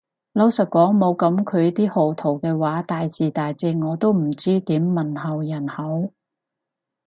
老實講冇噉佢啲賀圖嘅話，大時大節我都唔知點問候人好